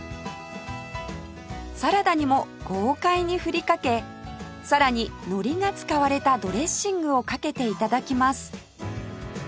サラダにも豪快に振りかけさらに海苔が使われたドレッシングをかけて頂きます